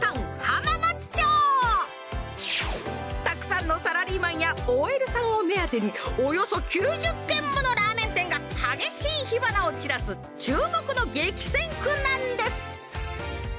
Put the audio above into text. たくさんのサラリーマンやＯＬさんを目当てにおよそ９０軒ものラーメン店が激しい火花を散らす注目の激戦区なんです。